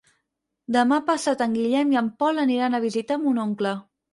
Demà passat en Guillem i en Pol aniran a visitar mon oncle.